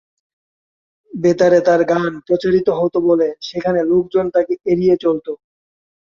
বেতারে তার গান প্রচারিত হত বলে সেখানে লোকজন তাকে এড়িয়ে চলত।